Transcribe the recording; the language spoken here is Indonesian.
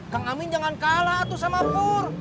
kang amin jangan kalah tuh sama pur